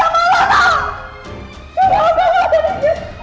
gua mau sama lu lagi